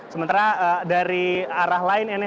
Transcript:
sementara dari arah lain ini